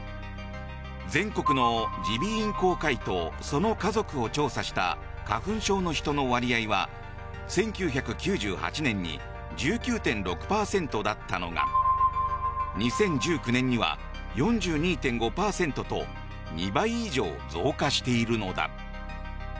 全国の耳鼻咽喉科医とその家族を調査した花粉症の人の割合は１９９８年に１９．６％だったのが２０１９年には４２．５％と２倍以上増加しているのだ。